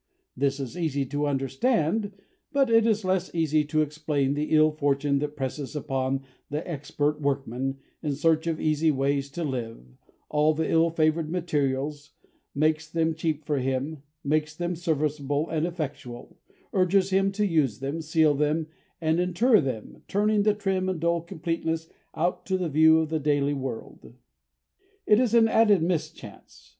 This is easy to understand, but it is less easy to explain the ill fortune that presses upon the expert workman, in search of easy ways to live, all the ill favoured materials, makes them cheap for him, makes them serviceable and effectual, urges him to use them, seal them, and inter them, turning the trim and dull completeness out to the view of the daily world. It is an added mischance.